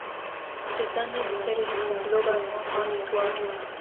Ces années de service sont globalement sans histoires.